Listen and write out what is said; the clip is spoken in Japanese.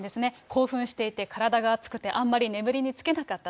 興奮していて、体が熱くてあんまり眠りに就けなかった。